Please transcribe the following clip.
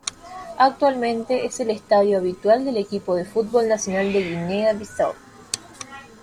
Actualmente, es el estadio habitual del equipo de fútbol nacional de Guinea-Bisáu.